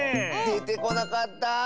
でてこなかった。